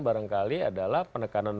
barangkali adalah penekanan